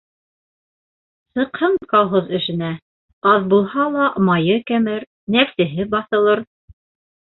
Сыҡһын колхоз эшенә, аҙ булһа ла майы кәмер, нәфсеһе баҫылыр.